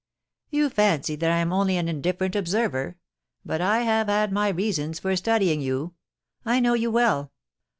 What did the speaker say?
* You fancy that I am only an indifferent observer ; but I have had my reasons for studying you. I know you well.